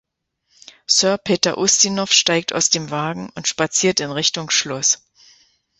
Sir Peter Ustinov steigt aus dem Wagen und spaziert in Richtung Schloss.